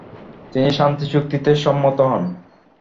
তিনি শান্তি চুক্তিতে সম্মত হন।